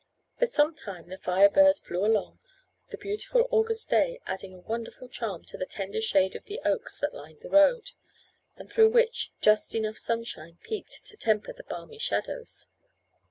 For some time the Fire Bird flew along, the beautiful August day adding a wonderful charm to the tender shade of the oaks that lined the road, and through which just enough sunshine peeped to temper the balmy shadows.